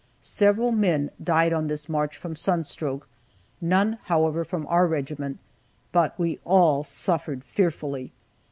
Several men died on this march from sun stroke; none, however, from our regiment, but we all suffered fearfully.